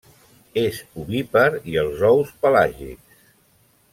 És ovípar i els ous pelàgics.